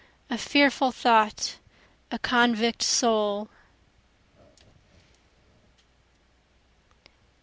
O fearful thought a convict soul.